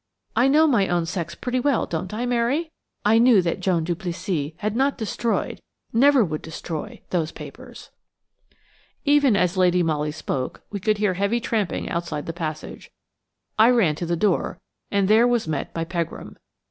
I know my own sex pretty well, don't I, Mary? I knew that Joan Duplessis had not destroyed–never would destroy–those papers." Even as Lady Molly spoke we could hear heavy tramping outside the passage. I ran to the door, and there was met by Pegram.